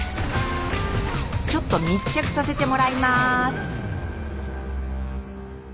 ちょっと密着させてもらいます。